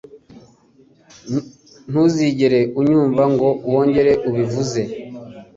Ntuzigere unyumva ngo wongere ubivuze.